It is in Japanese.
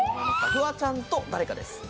フワちゃんと誰かです。